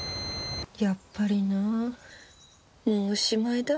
やっぱりなもうおしまいだ。